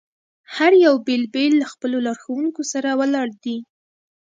هر یو بېل بېل له خپلو لارښوونکو سره ولاړ دي.